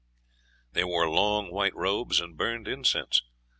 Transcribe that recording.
They wore long white robes and burned incense.